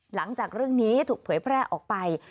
หลังจากเรื่องนี้ถูกเผยแพร่ออกไป